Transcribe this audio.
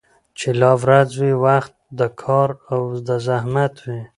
چي لا ورځ وي وخت د كار او د زحمت وي